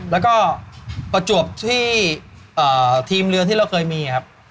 แล้วก็ประจวบที่ทีมเรือที่เราเคยมีครับ